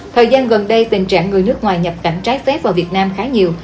thời gian gần đây tình trạng người nước ngoài nhập cảnh trái phép vào việt nam khá nhiều